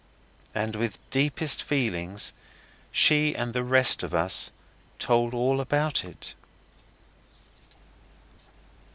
And with deepest feelings she and the rest of us told all about it.